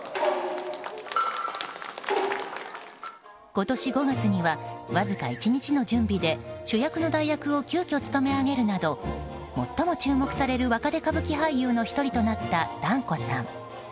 今年５月にはわずか１日の準備で主役の代役を急きょ務め上げるなど最も注目される若手歌舞伎俳優の１人となった團子さん。